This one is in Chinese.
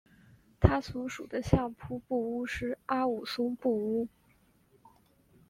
他所属的相扑部屋是阿武松部屋。